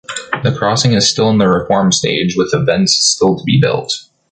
The crossing is still in the reform stage, with the vents still to be built.